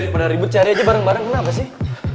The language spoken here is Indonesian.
pernah ribet cari aja bareng bareng kenapa sih